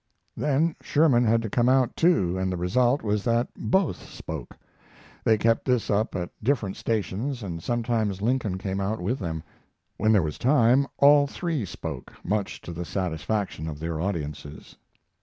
Then Sherman had to come out too, and the result was that both spoke. They kept this up at the different stations, and sometimes Lincoln came out with them. When there was time all three spoke, much to the satisfaction of their audiences.